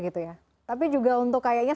gitu ya tapi juga untuk kayaknya